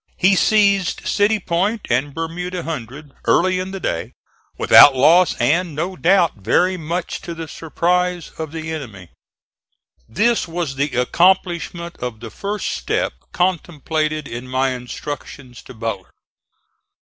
He seized City Point and Bermuda Hundred early in the day, without loss and, no doubt, very much to the surprise of the enemy. This was the accomplishment of the first step contemplated in my instructions to Butler.